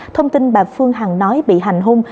thông tin bà phương hằng nói bị hành hung